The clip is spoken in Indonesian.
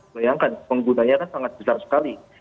bayangkan penggunanya kan sangat besar sekali